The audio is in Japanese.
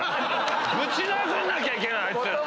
ぶち殴んなきゃいけないあいつ！